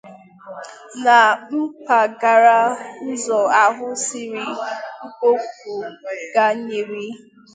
na mpaghara ụzọ ahụ siri Igboukwu gaa Nnewi